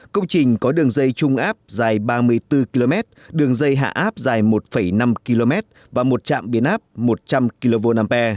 công trình có đường dây trung áp dài ba mươi bốn km đường dây hạ áp dài một năm km và một trạm biến áp một trăm linh kva